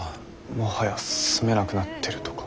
もはや住めなくなってるとか。